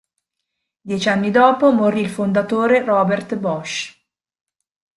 Dieci anni dopo morì il fondatore Robert Bosch.